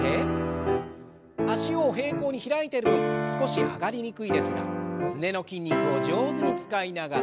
脚を平行に開いてる分少し上がりにくいですがすねの筋肉を上手に使いながら。